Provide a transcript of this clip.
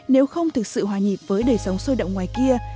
nếu không thực sự hòa nhịp với đời sống sôi động ngoài kia